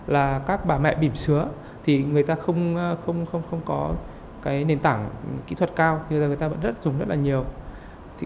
là các bà mẹ bìm sứa thì người ta không có cái nền tảng kỹ thuật cao người ta vẫn dùng rất là nhiều